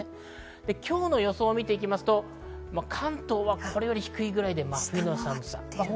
今日の予想を見ると関東はこれより低いくらいで真冬の寒さ。